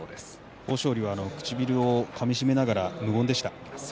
豊昇龍は唇をかみしめながら無言でした。